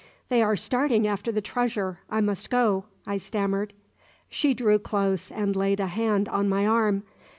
"They are starting after the treasure. I must go," I stammered. She drew close, and laid a hand on my arm.